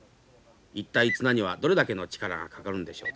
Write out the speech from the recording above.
一体綱にはどれだけの力がかかるんでしょうか。